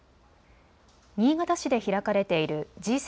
新潟市で開かれているＧ７